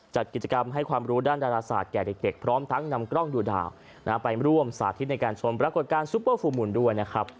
จัดกิจกรรมให้ความรู้ด้านดาราศาสตร์แก่เด็กพร้อมทั้งนำกล้องดูดาวไปร่วมสาธิตในการชมปรากฏการณ์ซุปเปอร์ฟูมูลด้วยนะครับ